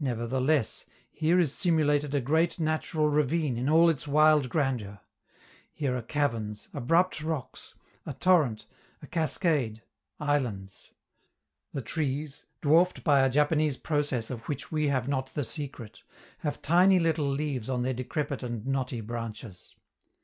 Nevertheless, here is simulated a great natural ravine in all its wild grandeur: here are caverns, abrupt rocks, a torrent, a cascade, islands. The trees, dwarfed by a Japanese process of which we have not the secret, have tiny little leaves on their decrepit and knotty branches.